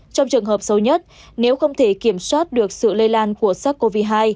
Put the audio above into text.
trong trường hợp sâu nhất nếu không thể kiểm soát được sự lây lan của sắc covid hai